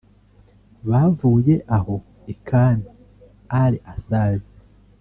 Bavuye aho i Khan al-Assal